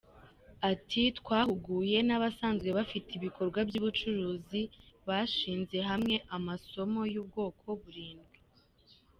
Ati “Twahuguye n’abasanzwe bafite ibikorwa by’ubucuruzi bashinze bahawe amasomo y’ubwoko burindwi.